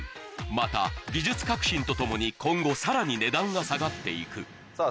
また技術革新とともに今後さらに値段が下がっていくさぁ